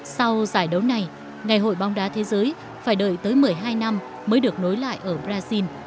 sau giải đấu này ngày hội bóng đá thế giới phải đợi tới một mươi hai năm mới được nối lại ở brazil